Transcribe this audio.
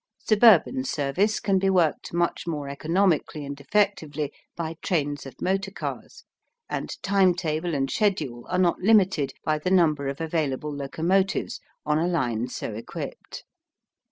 Suburban service can be worked much more economically and effectively by trains of motor cars, and time table and schedule are not limited by the number of available locomotives on a line so equipped.